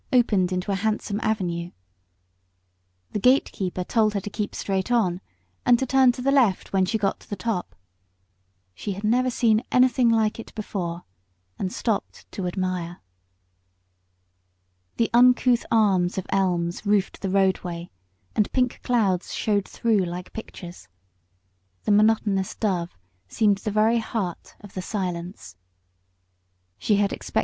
It opened into a handsome avenue, and the gatekeeper told her to keep straight on, and to turn to the left when she got to the top. She had never seen anything like it before, and stopped to admire the uncouth arms of elms, like rafters above the roadway; pink clouds showed through, and the monotonous dove seemed the very heart of the silence.